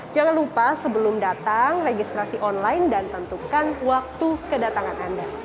jangan lupa sebelum datang registrasi online dan tentukan waktu kedatangan anda